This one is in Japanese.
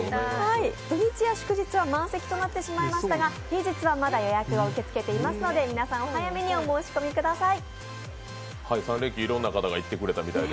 土日や祝日は満席となってしまいましたが平日はまだ予約を受け付けていますので皆さんお早めにお申し込みください。